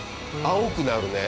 青くなるね。